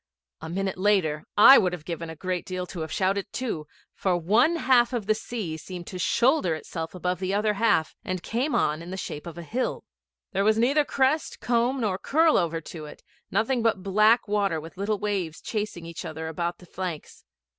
A minute later I would have given a great deal to have shouted too, for one half of the sea seemed to shoulder itself above the other half, and came on in the shape of a hill. There was neither crest, comb, nor curl over to it; nothing but black water with little waves chasing each other about the flanks.